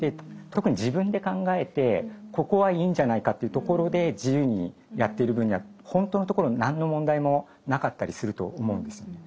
特に自分で考えてここはいいんじゃないかというところで自由にやっている分には本当のところ何の問題もなかったりすると思うんですよね。